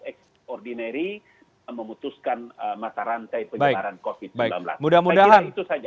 extraordinary memutuskan masa rantai penyebaran covid sembilan belas